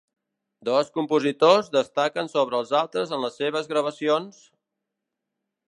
Dos compositors destaquen sobre els altres en les seves gravacions: